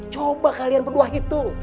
coba kalian berdua hitung